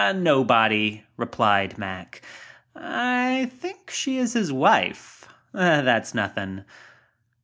"Nobody,", replied Mack. "I think she is his wife. That's nothing."